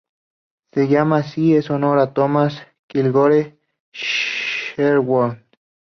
Se llama así en honor a Thomas Kilgore Sherwood.